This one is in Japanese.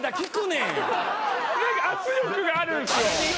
圧力があるんすよ。